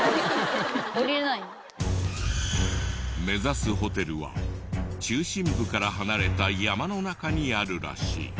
目指すホテルは中心部から離れた山の中にあるらしい。